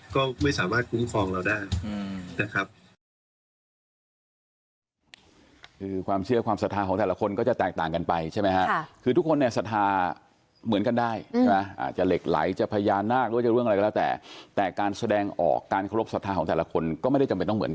ก็ไม่สามารถคุ้มครองเราได้